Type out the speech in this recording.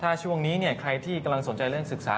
ถ้าช่วงนี้ใครที่กำลังสนใจเรื่องศึกษา